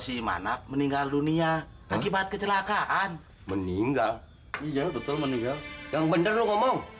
si anak meninggal dunia akibat kecelakaan meninggal betul meninggal yang bener ngomong